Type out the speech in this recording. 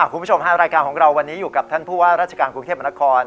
คุณผู้ชมฮะรายการของเราวันนี้อยู่กับท่านผู้ว่าราชการกรุงเทพมนคร